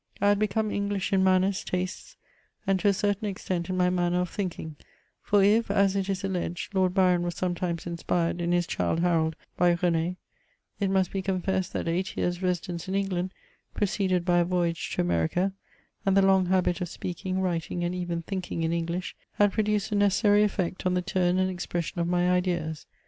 I had become English in man ners, tastes, and, to a certain extent, in my manner of thinking ; for if, as it is sdleged, Lord Byron was sometimes inspired in his Childe Harold by Rene^ it must be confessed that eight years' residence in England, preceded by a voyage to America, and the long habit of speaking, writing, and even thinking, in English, had produced a necessary effect on the turn and ex pression of my ideas.